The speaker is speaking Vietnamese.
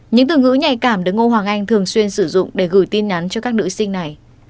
những từ ngữ nhạy cảm được ngô hoàng anh thường xuyên sử dụng để gửi tin nhắn cho các nữ sinh này